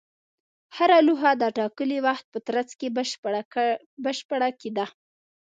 هره لوحه د ټاکلي وخت په ترڅ کې بشپړه کېده.